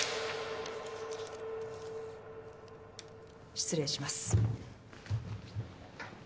失礼します。